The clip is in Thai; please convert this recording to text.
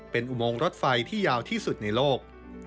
เป็นอุโมงรถไฟที่ยาวที่สุดในโลก